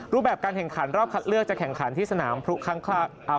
รูปแบบการแข่งขันรอบคัดเลือกจะแข่งขันที่สนามพลุครั้ง